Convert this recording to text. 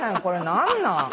何なん？